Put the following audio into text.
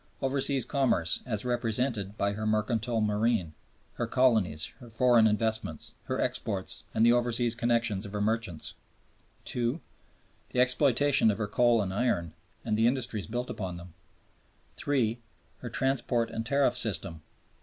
Overseas commerce as represented by her mercantile marine, her colonies, her foreign investments, her exports, and the overseas connections of her merchants; II. The exploitation of her coal and iron and the industries built upon them; III. Her transport and tariff system.